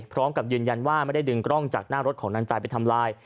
พร้อมกับยืนยันว่าไม่ได้ดึงกล้องจากหน้ารถของนางใจไปทำลาย